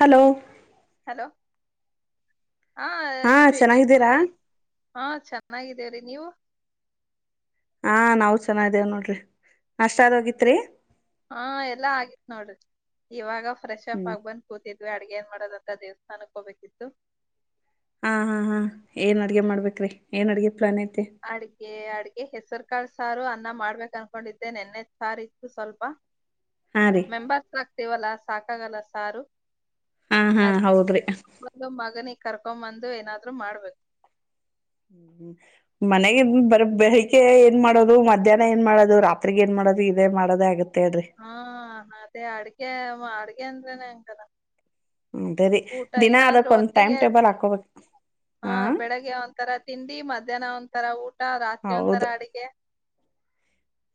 Hello hello ಹಾ ಹಾಶ [unintelligible] ಚೆನ್ನಾಗಿದ್ದೀರಾ ಹಾ ಚೆನ್ನಾಗಿದ್ದೇವ್ರೀ ನೀವು ಹಾ ನಾವವು ಚೆನ್ನ ಇದೇವ ನೋಡ್ರಿ ನಾಷ್ಟ ಆದ್ ಹೋಗಿತ್ರಿ ಹಾ ಎಲ್ಲಾ ಆಗಿತ್ ನೋಡ್ರಿ ಇವಾಗ ಫ್ರೆಶ್ ಅಪ್ ಹ್ಮ್ ಆಗ್ಬಂದ ಕೂತಿದ್ವಿ ಅಡ್ಗೆ ಏನ್ ಮಾಡೋದಂತ ದೇವಸ್ಥಾನಕ್ಕೆ ಹೋಗಬೇಕಿತ್ತು ಹಾ ಹಾ ಹಾ ಏನ್ ಅಡ್ಗೆ ಮಾಡ್ಬೇಕ್ರೀ ಏನ್ ಅಡ್ಗೆ ಪ್ಲಾನ್ ಐತೆ ಅಡ್ಗೆ ಅಡ್ಗೆ ಹೆಸರು ಕಾಳ ಸಾರು ಅನ್ನ ಮಾಡ್ಬೇಕು ಅನ್ಕೊಂಡಿದ್ದೆ ನೆನ್ನೆ ಸಾರು ಇತ್ತು ಸ್ವಲ್ಪ ಹಾ ರೀ [unintelligible] ಆತವಲ್ಲ ಸಾಕಾಗಲ್ಲ ಸಾರು ಹಾ ಹಾ ಹೌದ್ರಿ ಒದು ಮಗನಿಗೆ ಕರ್ಕೊ ಬಂದು ಏನಾದ್ರು ಮಾಡ್ಬೇಕು ಹ್ಮ ಮನೆಗ ಬರ ಬೆಳಿಗ್ಗೆ ಏನ್ ಮಾಡೋದು ಮಧ್ಯಾಹ್ನ ಏನ್ ಮಾಡೋದು ರಾತ್ರಿಗ್ ಏನ್ ಮಾಡೋದು ಇದೇ ಮಾಡೋದೇ ಆಗುತ್ತೆ. ಮತ್ತ್ ಹೇಳ್ರಿ. ಹಾ ಅದೇ ಅಡ್ಗೆ ಅಡ್ಗೆ ಅಂದ್ರನೆ ಹಂಗದ. ಹ್ಮ ಸರಿ ದಿನ ಅದಕ್ ಒಂದ್ ಟೈಮ್ ಹೊತ್ತಿಗೆ ಟೇಬಲ್ ಹಾಕೋಬೇಕು. ಹಾ ಬೆಳಗ್ಗೆ ಒಂತರ ತಿಂಡಿ ಮಧ್ಯಾಹ್ನ ಒಂತರ ಊಟ ರಾತ್ರಿ ಹೌದ ಒಂತರ ಅಡಿಗೆ.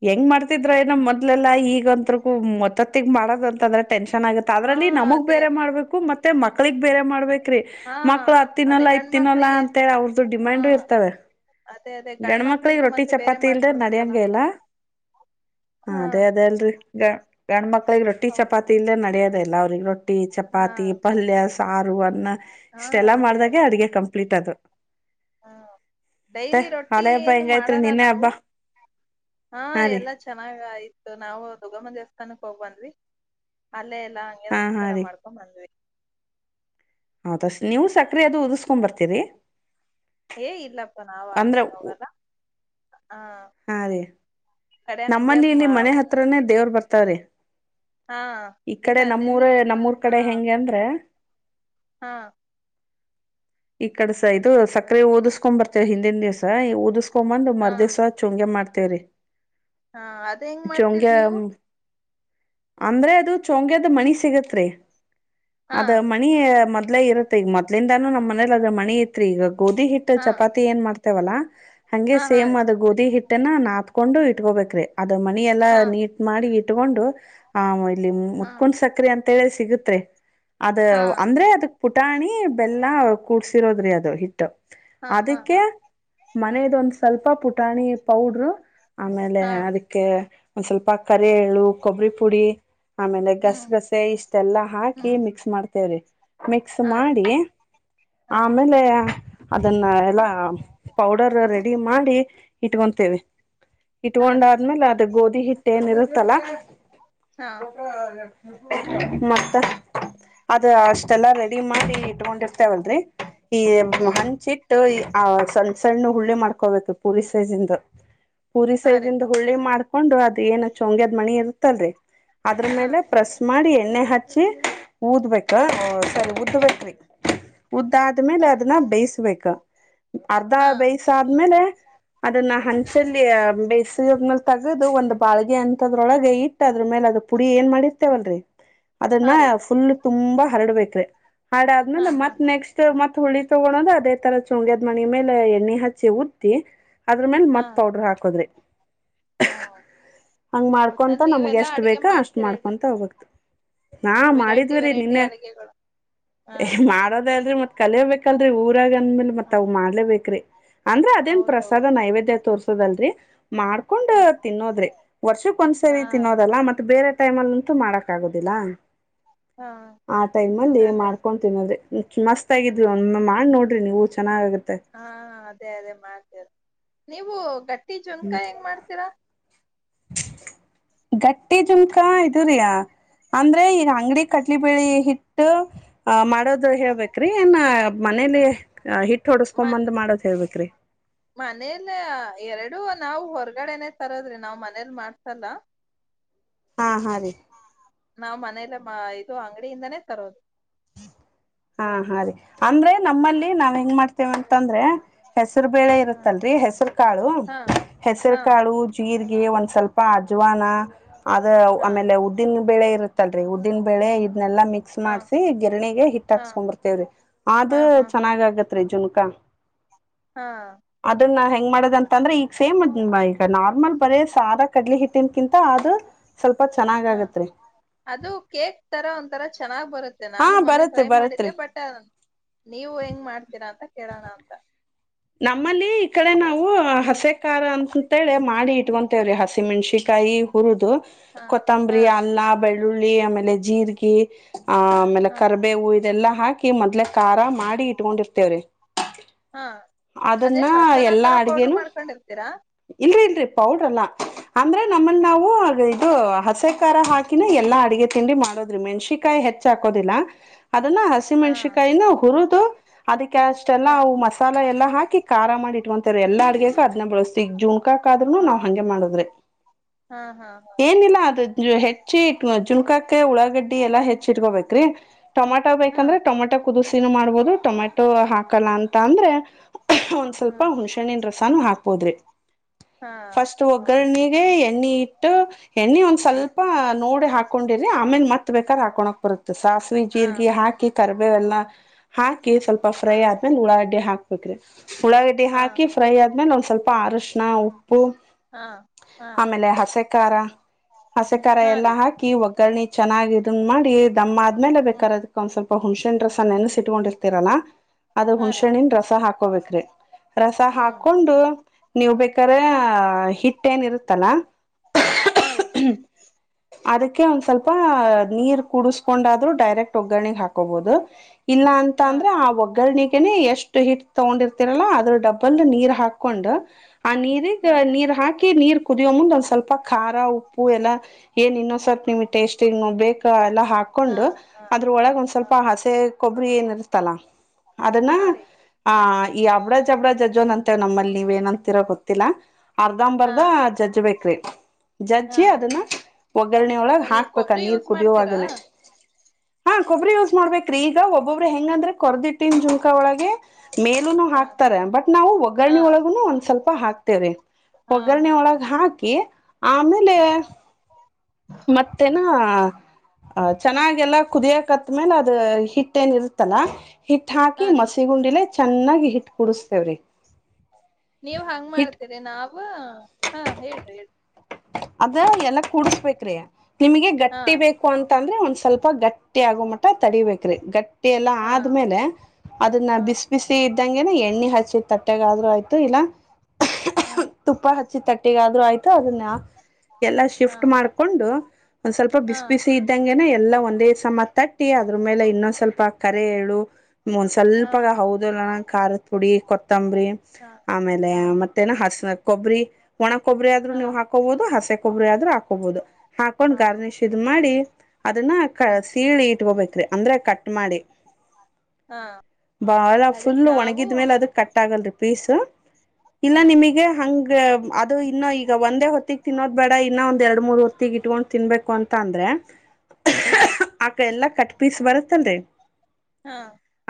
ಹೆಂಗ್ ಮಾಡ್ತಿದ್ರೊ ಏನೊ ಮೊದ್ಲೆಲ್ಲ ಈಗಂತ್ತರುಗು ಮತ್ತತ್ತಿಗೆ ಮಾಡದಂತಂದ್ರ ಟೆನ್ಷನ್ ಆಗತ್. ಹಾ ಅದರಲ್ಲಿ ನಮಗ್ ಅದೇ ಬೇರೆ ಮಾಡ್ಬೇಕು ಮತ್ತೆ ಮಕ್ಳಿಗೆ ಬೇರೆ ಮಾಡ್ಬೇಕು. ಕ್ರೀ ಹಾ ಮಕ್ಳು ಅದೇ ಅದ್ತಿನ್ನಲ್ಲ ಗಂಡ್ ಇದ್ತಿನ್ನಲ್ಲ ಮಕ್ಳಿಗೆ ಅಂತೇಳಿ ಅವ್ರದು ಹಾ ಡಿಮ್ಯಾಂಡು ಇರ್ತವೆ. ಅದೇ ಅದೇ ಗಂಡ್ ಗಂಡ್ಮಕ್ಳಿಗೆ ಮಕ್ಳಿಗೂ ರೊಟ್ಟಿ ಮತ್ತೆ ಬೇರೆ ಚಪಾತಿ ಇಲ್ದೆ ಮಾಡ್ಕೊಡ್ಬೇಕಲ್ಲ ನಡ್ಯಂಗೆ ಇಲ್ಲ. ಹ ಹಾ ಅದೇ ಅದೇ ಅಲ್ರರಿ ಗ್ ಗಂಡ್ಮಕ್ಳಿಗೆ ರೊಟ್ಟಿ ಹೌದು ಚಪಾತಿ ಇಲ್ಲೇ ನಡ್ಯದೇ ಇಲ್ಲ ಅವ್ರಿಗೆ ರೊ ರೊಟ್ಟಿ ಹಾ ಚಪಾತಿ ಪಲ್ಯ ಸಾರು ಅನ್ನ ಹಾ ಇಷ್ಟೆಲ್ಲಾ ಅದೇ ಅಲ್ ಮಾಡ್ದಾಗೆ ಅಡಗೆ ಕಂಪ್ಲೀಟ್ ಅದು. ಹಾ ಮತ್ತೆ ಡೈಲಿ ರೊಟ್ಟಿ ಹಳೆ ಹಬ್ಬ ಏನು ಹೆಂಗೈತ್ರಿ ಮಾಡಲ್ಲ ನಿನ್ನೆ ಹಬ್ಬ ನಾವು ಹ ಹಾ ರೀ ಎಲ್ಲ ಚೆನ್ನಾಗಯತತ್ತು ನಾವು ದುರ್ಗಮ್ಮ ದೇವಸ್ಥಾನಕ್ ಹೋಗ್ ಬಂದ್ವಿ ಅಲ್ಲೇ ಎಲ್ಲಾ ಹಂಗೆ ಹಾ ಹಾ ನಮಸ್ಕಾರ ರೀ ಮಾ [unintelligible] ಬಂದ್ವಿ ಹೌದ ನೀವು ಸಕ್ರ ಅದು ಉದಿಸ್ಕೊಂಡ್ ಬರ್ತೀರಿ. ಏ ಇಲ್ಲಪ್ಪ ನಾವ್ ಅಲ್ ಅಂದ್ರ ಏನ್ ಹೋಗಲ್ಲ ಹ ಹಾ ರೀ ನಮ್ಮಲ್ಲಿ ಇಲ್ಲಿ ಮನೆ ಹತ್ರನೇ ದೇವ್ರ್ ಬರ್ತವ್ರೀ. ಹಾ ಈ ಇಲ್ಲ ಕಡೆ ನಮ್ಮೂರ ನೆನ್ನೆ ಇದು ನಮ್ಮೂರ್ ಎಲ್ಲ ಕಡೆ ಹೆಂಗಗೆ ಅಂದ್ರೆ ಹಾ ಈ ಕಡೆಸ ಇದು ಸಕ್ಕರೆ ಓದಿಸ್ಕೊಂಡ್ ಬರ್ತೇವ ಹಿಂದಿನ ದಿವ್ಸ ಓದಿಸಕೊಂಡ ತೊಂಬಂದು ಹಾ ಮರ್ದ ಸಹ ಚುಂಗೆ ಮಾಡ್ತೇವ್ರೀ ಹಾ ಹೆಂಗ್ ಮಾಡ್ತೀರ್ ಚೌಂಗ್ಯ ನೀವು ಅಂದ್ರೆ ಅದು ಚೊಂಗ್ಯದ ಮಣಿ ಸಿಗತ್ರಿ ಹಾ ಅದ ಮ ಮದಲೇ ಇರುತ್ತ ಈಗ ಮೊದ್ಲಿಂದನ ನಮ್ಮ ಮನೇಲಿ ಅದ್ರ ಮಣಿ ಇತ್ರಿ ಈಗ ಗೋಧಿ ಹಿಟ್ಟ ಹಾ ಚಪಾತಿ ಏನ್ ಮಾಡ್ತೇವಲ್ಲಾ ಹಂಗೆ ಹಾ ಹಾ ರೀ. ಸೇಮ್ ಅದ ಗೋಧಿ ಹಿಟ್ಟನ ನಾತ್ಕೊಂಡು ಇಟ್ಕೋಬೇಕ್ರಿ ಅದು ಮಣಿೆಲ್ಲಾ ಹಾ ನೀಟ್ ಮಾಡಿ ಇಟ್ಕೊಂಡು ಆ ಇಲ್ಲಿ ಹಾ ಮುತ್ಕೊಂಡ್ ಸಕ್ರೆ ಅಂತ ೇಳ ಸಿಗತ್ರಿ ಅದ ಹಾ ಅಂದ್ರೆ ಅದ ಪುಟಾಣಿ ಬೆಲ್ಲ ಕೂಡ್ಸಿರೋದ್ರಿ ಅದು ಹಿಟ್ಟು ಹಾ ಹಾ ಹಾ ಅದಕ್ಕೆ ಮನದೊಂದ್ ಸ್ವಲ್ಪ ಪುಟಾಣಿ ಪೌಡ್ರು ಆಮೇಲೆ ಹಾ ಅದಕ್ ಒಂದ್ ಸ್ವಲ್ಪ ಕರಿ ಎಳು ಕೊಬ್ಬರಿ ಪುಡಿ ಆಮೇಲೆ ಹ್ಮ್ ಗಸಗಸೆ ಇಷ್ಟೆಲ್ಲಾ ಹಾಕಿ ಹ್ಮ್ ಮಿಕ್ಸ್ ಮಾಡ್ತೇವ್ರಿ ಮಿಕ್ಸ್ ಹಾ ರೀ ಮಾಡಿ ಹಾ ಆಮೇಲೆ ಅದನ್ನ ಎಲ್ಲಾ ಪೌಡರ್ ರೆಡಿ ಮಾಡಿ ಇಟ್ಕೊಂತೇವೆ ಹಾ ರೀ ತಗೊಂಡಾದ್ಮೇಲೆ ಅದು ಗೋಧಿ ಹಿಟ್ ಏನ್ ಇರುತ್ತಲ್ಲ. ಹಾ ಮತ್ತ ಅದು ಅಷ್ಟೆಲ್ಲ ರೆಡಿ ಮಾಡಿ ಇಟ್ಕೊಂಡ. ವಲ್ರರಿ ಈ ಹ್ಮ್ ಹಂಚಿಟ್ಟ ಸಣ್ಣ ಸಣ್ಣ ಹುಳ್ಳಿ ಮಾಡ್ಕೋಬೇಕು ಪೂರಿ ಸೈಜ್ ಇಂದ ಪೂರಿ ಹಾ ಸೈಜ ರೀ ಇಂದ ಗುಳ್ಳಿ ಮಾಡ್ಕೊಂಡು ಅದ ಏನ ಚಂಗ್ಯದ್ ಮಣಿ ಇರುತ್ತಲ್ರಿ ಅದ್ರ ಹಾ ಮೇಲೆ ಪ್ರೆಸ್ ಮಾಡಿ ಎಣ್ಣೆ ಹಚ್ಚಿ ಊದ್ಬೇಕ ಹಾ ಉದ್ದ್ಬೇಕಟ್ವಿ ಉದ್ದ ಆದ್ಮೇಲೆ ಹಾ ಅದನ್ನ ಬೇಯಿಸಬೇಕ ಅರ್ಧ ಹಾ ಬೇಯ ಆದ್ಮೇಲೆ ಅದನ್ನ ಹಂಚಲ್ಲಿ ಆ ಬೇಯ್ ಬಿಸಿ ಅದ್ಮೇಲ್ ತಗದು ಒಂದು ಬಾಳ್ಗೆ ಅಂತದ್ರೊಳಗೆ ಇಟ್ಟ ಅದ್ರ ಮೇಲೆ ಅದ್ ಪುಡಿ ಏನ್ ಮಾಡಿರ್ತವಲ್ರಿ ಅದನ್ನ ಹಾ ರೀ ಫುಲ್ ತುಂಬಾ ಹರಡ್ಬೇಕ್ರೀ ಹಾ ಹರಡಾದ್ಮೇಲೆ ಹಾ ಮತ್ ನೆಕ್ಸ್ಟ್ ಮತ್ ಹುಳಿ ತಗೋಣೋದು ಅದೇ ತರ ಶುಂಗ್ಯದ್ ಮಣಿ ಮೇಲೆ ಎಣ್ಣೆ ಹಚ್ಚಿ ಉತ್ತಿ ಅದ್ರು ಮೇಲೆ ಹಾ ಮತ್ ಪೌಡ್ರ್ ಹಾಕೋದ್ರಿ. ಹಾ ಅಹ್ ಹಂಗ್ ಒಟ್ಟ ಮಾಡ್ಕೊಂತ ನಮ್ಗೆ ನೀವೆಲ್ಲಾ ಎಷ್ಟ್ ಅಡ್ಗೆ ಬೇಕಾ ಅಷ್ಟು ಮಾಡ್ತೀರ ಹೇಳ್ರಿ ಮಾಡ್ಕೊಂತ ಹೋಬಕ್ರಿ ನಾ ವೆರೈಟಿ ಮಾಡಿದ್ವಿರೀ ವೆರೈಟಿ ನಿನ್ನೆ ಅಡಗೆಗಳು ಹಾ ಏಹ್ ಮಾಡೋದ ಅಲ್ರಿ ಮತ್ ಕಲಿಬೇಕಲ್ರಿ ಊ ಗಂದ್ಮೇಲ್ ಹಾ ಮತ್ ಅವ್ ಮಾಡ್ಲೇಬೇಕ್ರೀ ಅಂದ್ರ ಅದೇನ್ ಪ್ರಸಾದ ಹೌದೌದು ನೈವೇದ್ಯ ತೋರ್ಸದಲ್ರರಿ. ಮಾಡ್ಕೊಂಡ್ ಹ್ಮ ತಿನ್ನೋದ್ರಿ ವರ್ಷಕ್ ಹಾ ಒಂದ್ಸರಿ ತಿನ್ನೋದ ಗಲ್ಲ ಮತ್ ಬೇರೆ ಟೈಮಲ್ ಅಂತು ಮಾಡಕ್ ಆಗುದಿಲ್ಲ. ಹಾ ಆ ಟೈಮ್ ಅಲ್ಲಿ ಅದೇ ಮಾಡ್ಕೊಂಡ್ ತಿನ್ನೋದೆ ಈಕಿ ಮಸ್ ಹ್ಮ ತ್ತಾಗಿದ್ದು ಇದು ಮ ಮಾಡಿ ನೋಡ್ರಿ ನೀವು ಚೆನ್ನಾಗಾಗತ್ ಹಾ ಅದೇ ಅದೇ ಮಾಡ್ತೀರಿ ನೀವು ಗಟ್ಟಿ ಜುನ್ಕ ಹೆಂಗ್ ಮಾಡ್ತೀರಾ ಗಟ್ಟಿ ಜುನ್ಕಾ ಇದುರಿಯಾ ಅಂದ್ರೆ ಈಗ್ ಅಂಗಡಿ ಕಡ್ಲಿ ಬೇಳಿ ಹಿಟ್ಟು ಅಹ ಮಾಡೋದು ಹೇಳ್ಬೇಕ್ರಿ ಏನ್ ಮನೇಲಿ ಹಿಟ್ಟ ಹೊಡಸ್ಕೊ ಬಂದ್ ಮಾಡೋದ್ ಹೇಳ್ಬೇಕ್ರಿ ಮನೇಲಿ ಎರಡು ನಾವು ಹೊರಗಡೆನೆ ತರೋದ್ರಿ ನಾವ್ ಮನೇಲಿ ಮಾಡ್ಸಲ್ಲ. ಹಾ ಹಾ ರೀ ನಾವ್ ಮನೇಲೆ ಮಾ ಇದು ಅಂಗಡಿಯಿಂದಾನೇ ತರೋದು. ಹಾ ಹಾ ರೀ ಅಂದ್ರೆ ನಮ್ಮಲ್ಲಿ ನಾವ್ ಹೆಂಗ್ ಮಾಡ್ತೇವ್ ಅಂತಂದ್ರೆ ಹೆಸರು ಬೇಳೆ ಹಾ ಇರುತ್ತಲ್ರಿ ಹೆಸರು ಕಾಳು ಹಾ ಹೆಸರು ಹಾ ಕಾಳು ಉಜ್ ಜೀರ್ಗೆ ಒಂದ್ ಸ್ವಲ್ಪ ಅಜ್ವಾನ ಅದ ಹಾ ಆಮೇಲೆ ಉ ಉದ್ದಿನ ಬೆಳೆ ಇರುತ್ತಲ್ರಿ ಉದ್ದಿನ ಬೆಳೆ ಇದ್ನೇಲ್ಲ ಮಿ ಹಾ ಗೆರಣೆಗೆ ಹಿಟ್ ಹಾ ಹಾಕ್ಸ್ಕೊಂಡ್ ಬರ್ತೇವ್ರಿ ಆದು ಹಾ ಹಾ ಹಾ ಚೆನ್ನಾಗಾಗತ್ರಿ ಜುನ್ಕಾ. ಹಾ ಅದನ್ನ ನಾವ್ ಹೆಂಗ್ ಮಾಡದಂತಂದ್ರೆ ಈಗ್ ಸೇಮ್ ಅ ಈಗ ನಾರ್ಮಲ್ ಬರೀ ಸಾದ ಕಡ್ಲೆ ಹಿಟ್ಟಿನ್ಕಿಂತ ಅದು ಸ್ವಲ್ಪ ಚೆನ್ನಾಗ್ ಹಾ ಆಗತ್ರಿ ಅದು ಕೇಕ್ ತರ ಒಂತರ ಚೆನ್ನಾಗ್ ಬರುತ್ತೆ ಹಾ ನಾನು ಮೊನ್ನೆ ಟ್ರೈ ಬರತ್ರಿ ಮಾಡಿದ್ದೆ ಬರತ್ರಿ ಬಟ್ ಟ ನೀವು ಹೆಂಗ್ ಮಾಡ್ತೀರಾ ಅಂತ ಕೇಳೋಣ ಅಂತ. ನಮ್ಮಲ್ಲಿ ಈ ಕಡೆ ನಾವು ಹಸೆ ಖಾರ ಅಂತತೇಳಿ ಮಾಡಿ ಇಟ್ಕೋಂತೇವ್ರಿ ಹಸಿ ಮೆಣ್ಸಕಾಯಿ ಹುರಿದು ಹಾ ಹಾ ಕೊತ್ತಂಬರಿ ಅಲ್ಲ ಬೆಳ್ ಳ್ಳುಳ್ಳಿ ಆಮೇಲೆ ಜೀರ್ಗಿ ಆ ಆಮೇಲ ಹಾ ಕರ್ಬೇವು ಇದೆಲ್ಲಾ ಹಾಕ್ ಮೊದ್ಲೆ ಖಾರ ಮಾಡಿ ಇಟ್ಕೊಂಡಿರ್ತೇವ್ರಿ. ಹಾ ಅದನ್ನ ಅದೇನ್ ಮಸಾಲಾ ಎಲ್ಲಾ ತರ ಪೌಡ್ರು ಅಡ್ಗೆನು ಮಾಡ್ಕೊಂಡಿರ್ತೀರ ಇಲ್ರಿ ಇಲ್ರಿ ಪೌಡ್ರ್ ಅಲ್ಲ ಅಂದ್ರೆ ನಮ್ಮ ನಾವು ಇದು ಹಸೆ ಖಾರ ಹಾಕಿನ ಎಲ್ಲಾ ಅಡಗೆ ತಿಂಡಿ ಮಾಡೋದ್ರಿ ಮೆಣ್ಸಿ ಕಾಯ್ ಹೆಚ್ ಹಾಕೋದಿಲ್ಲ ಅದನ್ನ ಹಸ್ ಹಸಿ ಹಾ ಮೆಣ್ಸಕಾಯಿನ ಹುರುದು ಅದಕ್ಕೆ ಅಷ್ಟೆಲ್ಲ ಹಾ ನಾವ್ ಮಸಾಲೆ ಎಲ್ಲಾ ಹಾಕಿ ಖಾರ ಮಾಡಿ ಇಟ್ಕೊಂತಾರ ಎಲ್ಲ ಅಡುಗೆಗ ಅದ್ನ ಬಳಸ್ತೀವ್ ಈಗ್ ಜೂನ್ ಕ ಕಾದ್ರೂನು ಹಾ ನಾವ್ ಹಂಗೆ ಮಾಡುದ್ರಿ ಹಾ ಹಾ ಏನಿಲ್ಲ ಅದು ಹೆಚ್ಚಿ ಜುನ್ಕಾಕ ಉಳ್ಳಾಗಡ್ಡಿ ಎಲ್ಲಾ ಹೆಚ್ಚ ಇಟ್ಕೊಬೇಕ್ರಿ ಟೊಮಾಟ ಹಾ ಬೇಕಂದ್ರೆ ಟೊಮಾಟೊ ಕುದಿಸಿನ ಮಾಡ್ಬೋದು ಟೊಮೆಟೊ ಹಾಕಲ್ಲ ಅಂತ ಅಂದ್ರೆ ಒಂದ್ ಸ್ವಲ್ಪ ಹುಣ್ಸೆ ಹಣ್ಣಿನ ರಸಾನೂ ಹಾಕ್ಬೋದ್ರಿ. ಹಾ ಫಸ್ಟ್ ಹಾ ಒಗ್ಗರಣೆಗೆ ಎಣ್ಣೆ ಇಟ್ಟು ಎಣ್ಣೆ ಒಂದ್ ಸ್ವಲ್ಪ ನೋಡಿ ಹಾಕೊಂಡಿರಿ ಆಮೇಲೆ ಮತ್ ಬೇಕಾರಾ ಹಾಕೊನಕ್ ಬರುತ್ತೆ ಸಾಸಿವ ಹಾ ಜೀರ್ಗ ಹಾ ಹಾಕಿ ಕರ್ಬೇ ಎಲ್ಲಾ ಹಾಕಿ ಸ್ವಲ್ಪ ಹಾ ಹಾ ಫ್ರೈ ಆದ್ಮೇಲೆ ಉಳ್ಳಾಗಡ್ಡಿ ಹಾಕ್ಬೇಕ್ರಿ ಉಳ್ಳಾಗಡ್ಡೆಡಿ ಹಾಕಿ ಫ್ರೈ ಆದ್ಮೇಲೆ ಒಂದ್ ಸ್ವಲ್ಪ ಅರಶಿನ ಉಪ್ಪು ಹಾ ಹಾ ಹಾ ಆಮೇಲೆ ಹಸೆ ಖಾರ ಹಸೆ ಕಾರ ಹಾ ಎಲ್ಲ ರೀ ಹಾಕಿ ಒಗ್ಗರ್ರಣೆ ಚೆನ್ನಾಗ್ ಇದನ್ನ ಮಾಡಿ ದಮ್ಮ ಆದ್ಮೇಲೆ ಹ್ಮ್ ಬೇಕದ ಒಂದ್ ಸ್ವಲ್ಪ ಹುಣ್ಸೆಣ್ ರಸ ನೆನ್ಸಿಟ್ಕೊಂಡಿರ್ತಿರಲ್ಲಾ ಅದು ಹಾ ರೀ ಹುಣ್ಸೆಣನ್ ರಸ ಹಾಕೋಬೇಕ್ರಿ ರಸ ಹ್ಮ್ ಹಾಕೊಂಡು ನೀವು ಬೇಕ್ರೆ ಹಿಟ್ ಏನ ಇರುತ್ತಲ್ಲ ಹಾ ರೀ ಅದಕ್ಕೆ ಒಂದ್ ಸ್ವಲ್ಪ ನೀರ್ ಕುಡಸ್ಕೊಂಡಾದ್ರು ಡೈರೆಕ್ಟ್ ಒಗ್ಗರಣೆಗೆ ಹಾಕೋಬಹುದು ಇಲ್ಲ ಅಂತ ಹಾ ಅಂದ್ರೆ ಆ ಒಗ್ಗರಣೆಗೆನೆ ಎಷ್ಟು ಹಿಟ್ ತಗೊಂಡಿರ್ತ ಅದ್ರ ಡಬ್ಬಲ್ ನೀರ್ ಹಾಕೊಂಡ್ ಆ ನೀರಿಗ್ ಹಾ ನೀರ್ ಹಾಕಿ ನೀರ್ ಕುದಿಯೋ ಮುಂದೆ ಒಂದ್ ಸ್ವಲ್ಪ ಖಾರ ಉಪ್ಪು ಎಲ್ಲ ಏನ್ ಇನ್ನೊಂದ್ ಸ್ವಲ್ಪ ನಿಮ್ಗೆ ಟೇಸ್ಟಿಂಗ ಬೇಕ ಎಲ್ಲಾ ಹಾ ಹಾಕೊಂಡು ಹಾ ಹಾ ಅದ್ರೊಳಗ ಒಂದ್ ಹಾ ಸ್ವಲ್ಪ ಹಸೆ ಕೊಬ್ಬರಿ ಏನ ಇರ್ತಲ್ಲ ಅದನ್ನ ಹಾ ರೀ ಆ ಈ ಅಬಡ ಜಬಡ ಜೆಜ್ಜಿದು ಅಂತೇವಿ ನಮ್ಮಲ್ಲಿ ನೀವ್ ಏನಂತೀರೋ ಗೊತ್ತಿಲ್ಲಾ ಹಾ ಅರ್ಧಂಬಂಬರ್ದ ಜಜ್ ಬೇಕ್ರಿ ಹಾ ಜಜ್ಜಿ ಅದನ್ನ ಒಗ್ಗರಣೆೊಳಗ ನೀವು ಹಾಕ್ಬೇಕ ಕೊಬ್ಬರಿ ನೀರ್ ಯೂಸ್ ಮಾಡ್ತೀರಾ ಕುದಿಯೋಾಗನನೆ ಹಾ ಕೊಬ್ಬರಿ ಯೂಸ್ ಮಾಡ್ಬೇಕೇ್ರೀ ಈಗ ಒಬ್ಬೊಬ್ರ ಹೆಂಗಂದ್ರೆ ಕೊರ್ದಿಟ್ಟಿನ್ ಜುನ್ಕಾ ಒಳಗೆ ಮೇಲೂನು ಹಾ ಹಾಕ್ತಾರ ಬಟ್ ನಾವು ಹಾ ಒಗ್ಗರಣೆ ಒಳಗುನು ಒಂದ್ ಸ್ವಲ್ಪ ಹಾಕ್ತೇವೆ ಹಾ ಒಗ್ಗರಣೆ ಹಾ ಒಳಗೆ ಹಾಕಿ ಆಮೇಲೆ ಮತ್ತೇನಾ ಚೆನ್ನಾಗಲ್ಲ ಕುದಿಯಕತ್್ಮೇಲೆ ಅದ ಹಿ ಹಿಟ್ಟ ನ್ ಇರುತ್ತಲ್ಲಾ ಹಿಟ್ ಹಾ ಹಾಕಿ ರೀ ಮಸಿ ಗುಂಡಿಲೆ ಚೆನ್ನಾಗಿ ಹಿಟ್ ಕುಡಸ್ತೇವ್ರಿ ನೀವು್ ಹಂಗ್ ಹಿಟ್ ಮಾಡ್ತೀರಿ ನಾವು ಹಾ ಹೇಳಿ ಹೇಳಿ ಅದ ಎಲ್ಲ ಕೂಡ್ಸ್ಬೇಕ್ರೀ ನಿಮಗೆ ಹಾ ಗಟ್ಟಿ ಬೇಕ ಕ್ಕು ಅಂತ ಅಂದ್ರೆ ಒಂದ್ ಸ್ವಲ್ಪ ಗಟ್ಟಿ ಆಗೋ ಮಟ್ಟ ತಡಿಬೇಕ ರೀ ಗಟ್ಟಿ ಟ್ಟಿ ಎಲ್ಲ ಹಾ ಆದ್ಮೇಲೆ ಅದನ್ನ ಹಾ ಬಿಸಿ ಬಿಸಿ ಇದ್ದಂಗೆನ ಎಣ್ಣೆ ಹಚ್ಚಿದ ತಟ್ಟೆಗ ಆದ್ೂ ಆಯ್ತು ಇಲ್ಲ ಹಾ ತುಪ್ಪ ಹ ಿ ತಟ್ಟಿಗಾದ್ೂ ಆಯ್ತು ಅದನ್ನ ಎಲ್ಲಾ ಹಾ ಶಿಫ್ಟ್ ಮಾಡ್ಕೊಂಡು ಒಂದ್ ಸ್ವಲ್ಪ ಹಾ ಬಿಸಿ ಬಿಸಿ ಇದ ಂಗಗೆನ ಎಲ್ಲ ಒಂದೇ ಸಮ ತಟ್ಟಿ ಅದ್ರ ಮೇಲೆ ಇನ್ನೊಂದ್ ಸ್ವಲ್ಪ ಕರೆಳು ಒಂದ್ ಹಾ ಸ್ವಲ್ಪಗ ಹೌದುಲ್ಲ ನ ಖಾರದ ಪುಡಿ ಕೊತ್ತಂಬರಿ ಹಾ ಆಮೇಲೆ ಹಾ ಮತ್ತ ಮತ್ತೇ ಹಸ ಕೊಬ್ಬರಿ ಒಣ ಕೊಬ್ಬರಿ ಆದ್ರು ನೀವು ಹಾ ಹಾಕಬಹುದು ಹಸಿ ಕೊಬ್ಬರಿ ಆದ್ರರು ಹಾಕೋಬಹುದು ಹಾಕೊಂಡ್ ಗಾರ್ನಿಶ್ ಇದ್ ಮಾಡಿ ಅದನ್ನ ಹಾ ಸೀಳಿ ಇಟ್ಕೊಬೇಕ್ರಿ ಅಂದ್ರೆ ಕಟ್ ಮಾಡಿ ಹಾ ಬಾಳ ಅದೇ ಫುಲ್ಲು ನಾವು ಒಣಗಿದ್ಮೇಲೆ ಅದು ಕಟ್ಟ ಆಲ್ರಿ ಪೀಸ್ ಇಲ್ಲ ಹಾ ನಿಮಗೆ ಹ ಅದು ಇನ್ನು ಈಗ ಒಂದೇ ಹೊ ತ್ತ ತಿನ್ನೋದ್ ಬೇಡ ಇನ್ನ ಒಂದ್ ಎರಡ್ ಮೂರ್ ಹೊತ್ತಗ್ ಇಟ್ಕೊಂಡು ತಿನ್ಬೇಕು ಅಂತ ಅಂದ್ರೆ ಹಾ ಆಕ ಎಲ್ಲಾ ಕಟ್ ಪೀಸ್ ಬರುತ್ತಲ್ರರಿ ಹಾ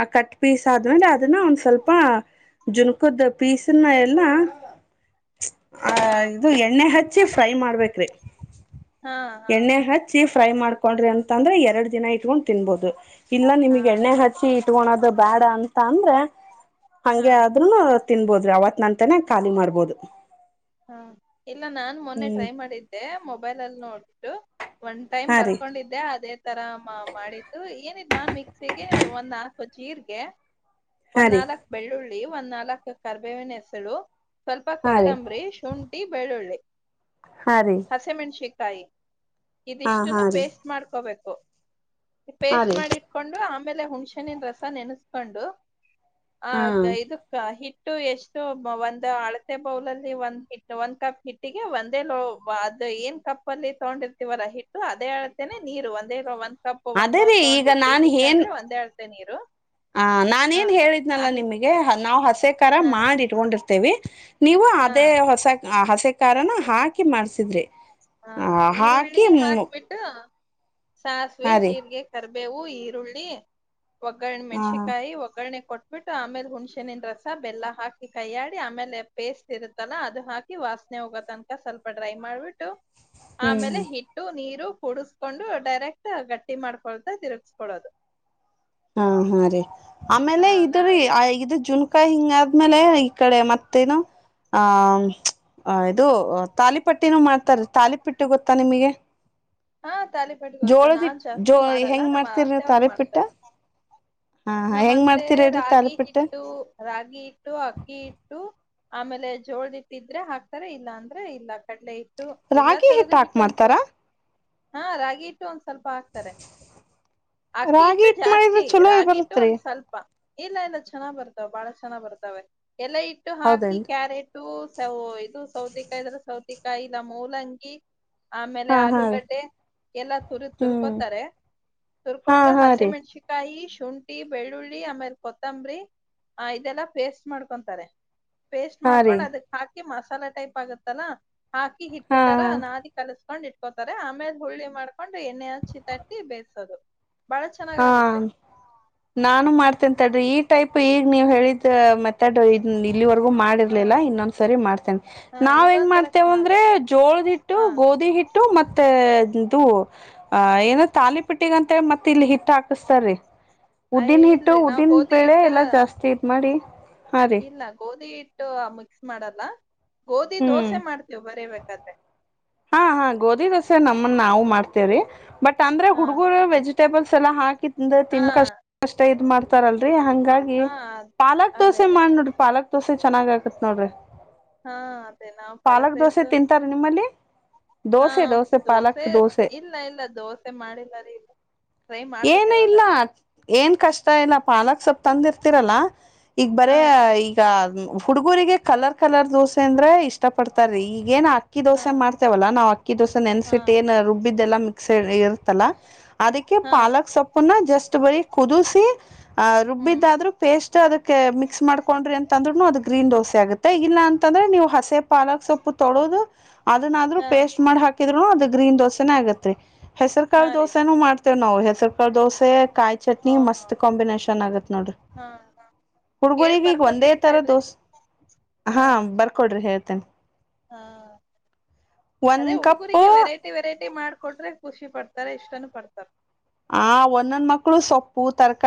ಆ ಕಟ್ ಪೀಸ್ ಆದ್ಮೇಲೆ ಅದನ್ನ ಒಂದ್ ಸ್ವಲ್ಪ ಜುನ್ಕದ ಪೀಸನ ಎಲ್ಲ ಆ ಹಾ ಇದು ಎಣ್ಣೆ ಹಚ್ಚಿ ಹಚ್ಚೆ ಫ್ರೈ ಮಾಡ್ಬೇಕ್ರೀ ಹಾ ಎಣ್ಣೆ ಹಚ್ಚಿ ಫ್ರೈ ಮಾಡ್ಕೊಂಡ್ರಿ ಅಂತ ಅಂದ್ರೆ ಎರಡ್ ದಿನ ಇಟ್ಕೊಂಡು ತಿನ್ಬಹುದು ಇಲ್ಲ ಹಾ ನಿಮಗ್ಗೆ ಎಣ್ಣೆ ಅದೇ ಹಚ್ಚಿ ಸಿಟ್ಗೊಣದು ಬೇಡ ಅಂತ ಅಂದ್ರೆ ಹಾ ಹಂಗೆ ಆದ್ರುನು. ತಿನ್ಬೋದು ರೀ ಆವತ್ತ ನಂತನೇ ಖಾಲಿ ಮಾಡ್ಬೋದು. ಹಾ ಇಲ್ಲ ನಾನ್ ಮೊನ್ನೆ ಹ್ಮ್ ಟ್ರೈ ಮಾಡಿದ್ದೆ ಮೊಬೈಲಲ್ಲಿ ನೋಡ್ಬಿಟ್ಟು. ಒನ್ ಟೈಮ್ ಹಾ ರೀ ಬರ್ಕೊಂಡಿದ್ದೆ ಅದೇ. ತರ ಮಾಡಿದ್ದು ಏನಿದ ನಾನ್ ಮಿಕ್ಸಿಗೆ ಒಂದ್ ನಾಲ್ಕು ಜೀರ್ಗೆ. ಹಾ ಒಂದ್ ರೀ ನಾಲ್ಕ್ ಬೆಳ್ಳುಳ್ಳಿ ಒಂದ್ ನಾಲ್ಕ್ ಕರ್ಬೇವಿನ ಹೆಸಳು ಸ್ವಲ್ಪ ಹಾ ರೀ ಕೊತ್ತಂಬರಿ. ಶುಂಠಿ ಬೆಳ್ಳುಳ್ಳಿ. ಹಾ ರೀ ಹಸಿಮೆಣಸಕಾಯಿ ಹಾ ಹಾ ಇದಿಷ್ಟುನು ರೀ ಪೇಸ್ಟ್ ಮಾಡ್ಕೋಬೇಕು. ಹಾ ಪೇಸ್ಟ್ ರೀ ಮಾಡಿಟ್ಕೊಂಡು ಆಮೇಲೆ ಹುಣ್ಸೆನಿನ ರಸ ನೆನೆಸ್ಕೊಂಡು. ಆ ಹಾ ಇದಕ್ಕ ಹಿಟ್ಟು ಎಷ್ಟು ಒಂದು ಅಳತೆ ಬೌಲಲ್ಲಿ ಒಂ ಹಿಟ್ಟು ಒಂದ್ ಕಪ್ ಹಿಟ್ಟಿಗೆ ಒಂದೇ ಲೋ ಅದು ಏನ್ ಕಪ್ ಅಲ್ಲಿ ತಗೊಂಡಿರ್ತೀವಲ್ಲ ಹಿಟ್ - - ಟ್ಟು ಅದೇ ಅಳ್ತೆನೆ ನೀರು ಒಂದೇ ಒಂದ್ ಕಪ್ ಒಂದ್ ಅದೇ ಬೌಲ್ ರೀ ಈಗ ತಗೊಂಡಿದ್ವಿ ನಾನ್ ಹಿಟ್ ಏನ್ ಅಂದ್ರೆ ಒಂದೇ ಅಳ್ತೆ ನೀರು. ಆ ಹಾ ನಾನೇಏನ್ ಹೇಳಿದ್ನಲ್ಲ ಅದಕ್ ನಿಮ್ಗೆ ನಾವ್ ಹಸೆಕಾರ ಹಾ ಮಾಡಿ ಇಟ್ಕೊಂಡಿರ್ತೇವಿ. ನೀವು ಹಾ ಅದೇ ಹೊಸ ಹಸೆ ಖಾರನ ಹಾಕಿ ಮಾಡ್ಸಿದ್ರಿ. ಹಾ ಹ ಈರುಳ್ಳಿ ಹಾಕಿ ಹಾಕ್ಬಿಟ್ ಟು ಸಾಸಿವೆ ಹಾ ರೀ ಜೀರ್ರಿಗೆ ಕರ್ಬೇವು ಈರುಳ್ಳಿ. ಒಗ್ಗರಣೆ ಹಾ ಮೆಣ್ಸಕಾಯಿ ಒಗ್ಗರಣೆ ಕೊಟ್ - - ಬಿಟ್ಟು ಆಮೇಲೆ ಹುಣ್ಸೆಣನ್ ರಸ ಬೆಲ್ಲ ಹಾಕಿ ಕೈಯ್ಯಾಡಿ ಆಮೇಲೆ ಪೇಸ್ಟ್ ಇರುತ್ತಲ್ಲ ಅದು ಹಾಕಿ ವಾಸ್ - - ಸ್ನೆಹೋಗೋ ತನಕ ಸ್ವಲ್ಪ ಡ್ರೈ ಮಾಡ್ಬಿಟ್ಟು ಹ್ಮ್ ಆಮೇಲೆ ಹಿಟ್ - - ನೀರು ಕುೂಡಸ್ಕೊಂಡು ಡೈರೆಕ್ಟ್ ಗಟ್ಟಿ ಮಾಡ್ಕೊಳ್ತಾ ತಿರುಗ್ಸ್ಕೊಳ್ಳೋದು. ಹಾ ಹಾ ರೀ ಹಾ ಆಮೇಲೆ ಇದ್ರ ನಾವ್ ಇದು ಜೂನ್ - ಕ್ಕ ಹಿಂಗ ಆದ್ಮೇಲೆ ಈ ಕಡೆ ಮತ್ತೇನು ಆ ಇದು. ತಾಲಿ ಪಟ್ಟಿನೂ ಮಾಡ್ತಾರೀ ತಾಲಿ ಪಟ್ಟಿ ಗೊತ್ತಾ ನಿಮ್ಗೆ. ಹಾ ತಾಲಿಪಟ್ ಗೊತ್ತು ನಾನ್ ಜೋ ಜಾಸ್ತಿ ಮಾಡಲ್ಲ ಹೆಂಗ್ ನಮ್ ಮಾಡ್ತಿರಿ ಅತ್ತೆ ಅವ್ರು ತಾಲಿಪಿಟ್ಟ ಮಾಡ್ತಾರೆ. ಹ ಹೆಂಗ್ ನಮ್ಮತ್ತೆ ಮಾಡ್ತೀರಿ ಹೇಳ್ರಿ ರಾಗಿ ತಾಲಿಪಿಟ್ಟ ಹಿಟ್ಟು ರಾಗಿ ಹಿಟ್ಟು ಅಕ್ಕಿ ಹಿಟ್ಟು. ಆಮೇಲೆ ಜೋಳ ಇಟ್ಟಿದ್ರೆ ಹಾಕ್ತಾರೆ ಇಲ್ಲ ಅಂದ್ರೆ ಇಲ್ಲ ಕಡ್ಲೆ ಇ ಇಟ್ಟು ಎಲ್ಲಾ ರಾಗಿ ಹಿಟ್ಟ ತರದು ಹಾಕ್ ಹಿಟ್ಟು ಒಂದ್ ಮಾಡ್ತಾರಾ ಸ್ವಲ್ಪ ಹಾ ರಾಗಿ ಹಿಟ್ಟು ಒಂದ್ ಸ್ವಲ್ಪ ಅಕ್ಕಿ ರಾಗಿ ಹಿಟ್ಟು ಹಿಟ್ ಮಾಡಿದ್ರೆ ಜಾಸ್ತಿ ಚಲೋ ರಾಗಿ ಹಿಟ್ಟು ಬರತ್ರಿ ಒಂದ್ ಸ್ವಲ್ಪ. ಇಲ್ಲ ಇಲ್ಲ ಚೆನ್ನಾಗ್ ಬರ್ತಾವ ಬಾಳ ಚೆನ್ನಾಗ್ ಬರ್ತಾವ ಎಲೆ ಇಟ್ಟು ಹಾಕಿ ಹೌದೇನ್ರಿ ಕ್ಯಾರೆಟ್. ಟು ಇದು ಸೌತೆಕಾಯಿ ಇದ್ರೆ ಸೌತೆಕಾಯಿ ಇಲ್ಲ ಮೂಲಂಗಿ ಆಮೇಲೆ ಹಾ ಹಾ ರೀ ಆಲೂಗಡ್ - ಮ ಎಲ್ಲ ತು ಹ್ಮ್ ತುರ್ಕೋತಾರೆ ಹಾ ತುರ್ಕೊಂಡು ಹಾ ಹಸಿ ರೀ ಮೆಣ್ಸಿ ಕಾಯಿ ಶುಂಟಿ ಬೆಳ್ಳುಳ್ಳಿ ಆ ಮೇಲ್ ಕೊತ್ತಂಬ್ರಿ. ಆ ಇದೆಲ್ಲಾ ಪೇಸ್ಟ್ ಮಾಡ್ಕೊಂತಾರೆ. ಪೇಸ್ಟ್ ಹಾ ರೀ ಮಾಡ್ಕೊಂಡ್ ಅದಕ್ ಹಾಕಿ ಮಸಾಲ ಟೈಪ್ ಆಗತ್ತಲ್ಲಾ ಹಾಕಿ ಹಾ ಹಿಟ್ಟತರ ನಾದಿ ಕಲಸ್ - - ಕೊಂಡ್ ಇಟ್ಕೋತಾರೆ ಆಮೇಲೆ ಹುಳ್ಳಿ ಮಾಡ್ಕೊಂಡು ಎಣ್ಣೆ ಹಚ್ಚಿ ತಟ್ಟಿ ಬೇಯ್ಸೋದು. ಹಾ ನಾನು ಮಾಡ್ತೇಂತಡ್ರಿ ಈ ಟೈಪ್ ಈಗ ನೀವ್ ಹೇಳಿದ ಮತ್- ಥಡ್ರಿ ಇದನ್ನ ಇಲ್ಲಿವರೆಗೆ ಹಾ ಮಾಡಿರ್ಲಿಲ್ಲ ಇನ್ನೊಂದ್ ಸರಿ ಮಾಡ್ತೇನ್ ಹಾ ನಾವ್ ಹೆಂಗ್ ಇದೊಂತರ ಮಾಡ್ತೇವ ಅಂದ್ರೆ ಚೆನ್ನಾಗತ್ತೆ ಜೋಳದ್ ಹಿಟ್ಟು ಹಾ ಗೋಧಿ ಹಿಟ್ಟು. ಮತ್ತೆ ಇದು ಅ ಏನ ತಾಲಿಪಿಟ್ಟಿದ್ ಅಂತೇಳಿ ಮತ್- ಇಲ್ಲಿ ಹಿಟ್ ಹಾಕುಸ್ ತಾರೀ ಅಯ್ ಉದ್ದಿನ್ ಹಿಟ್ಟು ಇಲ್ರಿ ನಾವ್ ಉದ್ದಿನ್ ಗೋಧಿ ಬೆಳೆ ಹಿಟ್ಟ ಎಲ್ಲಾ ಜಾಸ್ತಿ ಇದ್ ಮಾಡಿ ಹಾ ರೀ ಇಲ್ಲ ಗೋಧಿ ಇಟ್ಟು ಮಿಕ್ಸ್ ಮಾಡಲ್ಲ ಗೋಧಿ ಹ್ಮ್ ದೋಸೆ ಮಾಡ್ತೀವ ಬರಬೇಕಾದ್ರೆ. ಹಾ ಹಾ ಗೋಧಿ ದೋಸೆ ನಮ್ಮನ್ ನಾವು ಮಾಡ್ತೇವರಿ. ಬಟ್ ಅಂದ್ರೆ ಹಾ ಹುಡುಗರು ವೆಜಿಟೇಬಲ್ಸ್ ಎಲ್ಲ ಹಾಕಿ ಹಾ ತಿನ್ಕಷ್ಟ ಕಷ್ಟ ಇದ್ ಮಾಡ್ತಾರಲ್ರರಿ ಹಂಗಾಗಿ ಹಾ ಪಾಲಾಕ್ ಅದೇ ದೋಸೆ ಅದೇ ಮಾಡ್ ನೋಡ್ರಿ ಪಾಲಾಕ್ ತೋಸೆ ಚೆನ್ನಾಗ ಆಗತ್ ನೋಡ್ರಿ ಹಾ ಅದೇ ನಾವು ಪಾಲಕ್ ದೋಸೆ ರೈಸ್ ತಿಂತಾರ ನಿಮ್ಮಲ್ಲಿ ಹಾ ದೋಸೆ ಇಲ್ಲ ಇಲ್ಲ ದೋಸೆ ಮಾಡಿಲ್ಲಾರಿ ಇಲ್ಲ ಏನ ಇಲ್ಲ ಏನ್ ಕಷ್ಟ ಇಲ್ಲ ಪಾಲಕ್ ಸೊಪ್ ತಂದಿರ್ತಿರಲ್ಲ ಈಗ ಬರ ಹಾ ಈ ಈ ಹುಡುಗರಿಗೆ ಕಲರ್ ಕಲರ್ ದೋಸೆ ಅಂದ್ರೆ ಇಷ್ಟ ಪಡ್ತಾರೀ ಈಗೇನ್ ಆ ಅಕ್ಕಿ ಹಾ ದೋಸೆ ಮಾಡ್ತೇವಲ್ಲಾ ನಾವು ಅಕ್ಕಿ ದೋಸೆ ಹಾ ನೆನ್ಸಿಟ್ಟ ಏನ್ ರುಬ್ಬಿದ್ದೆಲ್ಲಾ ಮಿಕ್ಸ್ ಇರ್ತಲ್ಲ ಅದಕ್ಕೆ ಹಾ ಪಾಲಕ್ ಸೊಪ್ಪನ್ನ ಜಸ್ಟ್ ಬರಿ ಕುದಿಸಿ ಆಹ್ ಹ್ಮ್ ರುಬ್ಬಿದ್ದಾದ್ರರು ಪೇಸ್ಟ್ ಅದಕ್ಕೆ ಮಿಕ್ಸ್ ಮಾಡ್ಕೊಂಡ್ರಿ ಅಂತ ಅಂದ್ರುನು ಅದು ಗ್ರೀನ್ ದೋಸೆ ಆಗುತ್ತೆ ಗಲ್ಲ ಅಂತಂದ್ರೆ ನೀವು ಹಸೆ ಪಾಲಕ್ ಸೊಪ್ಪು ತೊಳೋದು ಅದನ್ನಾದ್ ಹಾ ಪೇಸ್ಟ್ ಮಾಡಿ ಹಾಕಿದ್ರುನು ಅದ ಗ್ರೀನ್ ದೋಸೆನ ಆಗತ್ರಿ ಹೆಸರು ಕ ಹಾ ರೀ ದೋಸೆನು ಮಾಡ್ತ ನಾವವು ಹೆಸರು ಕಾ ದೋಸೆ ಕಾಯಿ ಹ ಚಟ್ನಿ ಮಸ್ತ್ ಕಾಂಬಿನೇಷನ್ ಆಗತ್ ನೋಡ್ರಿ ಹಾ ಕೇಳ್ ಹುಡ್ಗರಿಗೆ ಈಗ ಒಂದೇ ಬರ್ಕೋತಿನ್ ತರ ತಡ್ರಿ ದೋಸ ಹಾ ಬರ್ಕೊಡ್ರಿ ಹೇಳ್ತೇನೆ ಹಾ ಒಂದ್ ಅದೇ ಕಪ್ ಉಡುಗುರಿಗೆ ವೆರೈಟಿ ವೆರೈಟಿ ಮಾಡ್ಕಟ್ರೆ ಖುಷಿ ಪಡ್ತಾರೆ ಇಷ್ಟನ ಪಡ್ತಾರ ಆ ಒಂದೊಂದ್ ಮಕ್ಳು ಸೊಪ್ಪು ತರಕಾರಿ